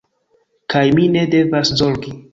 Kaj mi ne devas zorgi.